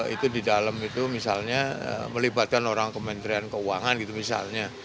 itu di dalam itu misalnya melibatkan orang kementerian keuangan gitu misalnya